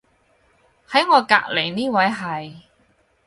喺我隔離呢位係